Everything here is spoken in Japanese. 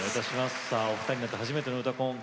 お二人になって初めての「うたコン」